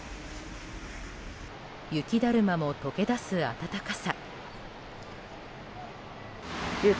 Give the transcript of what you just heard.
雪だるまも解け出す暖かさ。